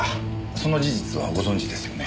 その事実はご存じですよね？